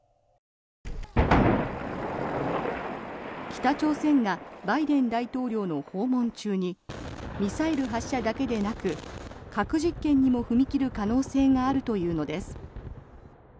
北朝鮮がバイデン大統領の訪問中にミサイル発射だけでなく核実験にも踏み切る可能性があるというのです。